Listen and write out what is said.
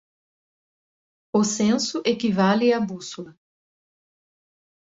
O censo equivale à bússola